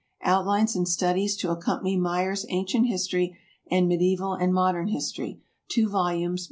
"Outlines and Studies to Accompany Myers' Ancient History, and Medieval and Modern History," 2 volumes.